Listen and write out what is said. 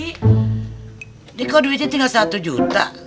ini kok duitnya tinggal satu juta